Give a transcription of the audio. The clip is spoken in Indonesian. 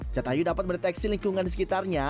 jatayu dapat meneteksi lingkungan di sekitarnya